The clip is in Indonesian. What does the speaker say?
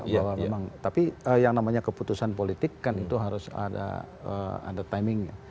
bahwa memang tapi yang namanya keputusan politik kan itu harus ada timingnya